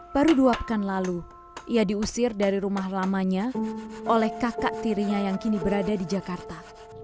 baru dua pekan lalu ia diusir dari rumah lamanya oleh kakak tirinya yang kini berada di jakarta